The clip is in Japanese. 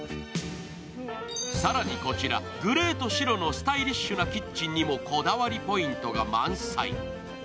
更にこちら、グレーと白のスタイリッシュなキッチンにもこだわりポイントが満載。